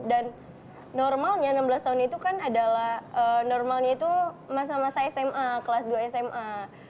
dan normalnya enam belas tahun itu kan adalah normalnya itu masa masa sma kelas dua sma